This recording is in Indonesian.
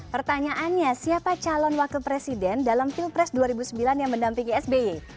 pertanyaannya siapa calon wakil presiden dalam pilpres dua ribu sembilan yang mendampingi sby